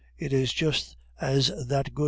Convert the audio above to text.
_ it is just as that good M.